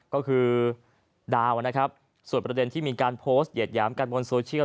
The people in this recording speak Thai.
ก็คือดาวนะครับส่วนประเด็นที่มีการโพสต์เหยียดหยามกันบนโซเชียล